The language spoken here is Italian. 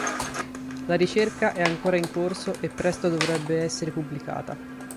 La ricerca è ancora in corso e presto dovrebbe essere pubblicata.